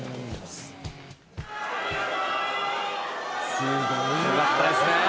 すごかったですね。